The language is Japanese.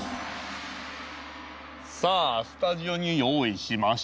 さあスタジオによういしました。